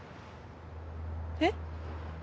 えっ？